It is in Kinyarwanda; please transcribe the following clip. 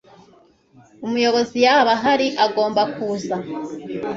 umuyobozi yaba ahari agomba kuza